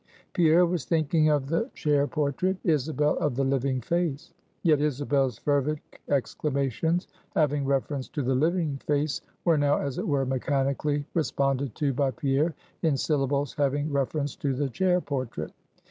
Pierre was thinking of the chair portrait: Isabel, of the living face. Yet Isabel's fervid exclamations having reference to the living face, were now, as it were, mechanically responded to by Pierre, in syllables having reference to the chair portrait.